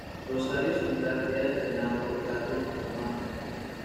Rosario Central era entrenado por Carlos Carlomagno.